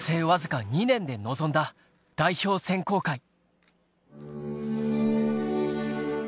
わずか２年で臨んだ代表選考会